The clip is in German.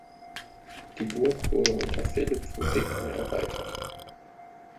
Die Burg wurde unter Philipp von Bicken erweitert.